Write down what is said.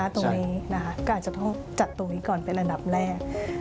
ตรงนี้ก็อาจจะต้องจัดตรงนี้ก่อนเป็นระดับแรก